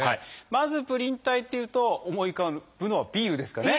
まずプリン体っていうと思い浮かぶのはビールですかね。